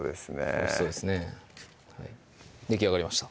おいしそうですねできあがりました